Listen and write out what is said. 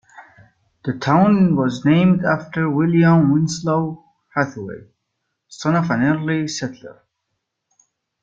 The town was named after William Winslow Hathaway, son of an early settler.